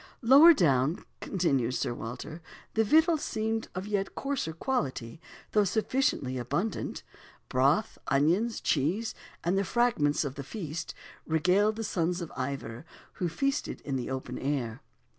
"Lower down," continues Sir Walter, "the victuals seemed of yet coarser quality, though sufficiently abundant. Broth, onions, cheese, and the fragments of the feast, regaled the sons of Ivor, who feasted in the open air."